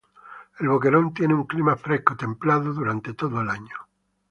El Boquerón tiene un clima fresco templado durante todo el año.